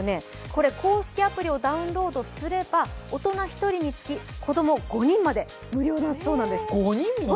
これ、公式アプリをダウンロードすれば、大人１人につき子供５人まで無料になるそうなんです。